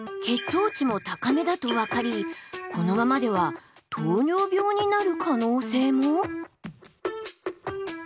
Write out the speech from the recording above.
血糖値も高めだと分かりこのままでは糖尿病になる可能性も。